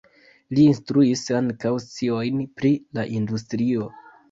Li instruis ankaŭ sciojn pri la industrio.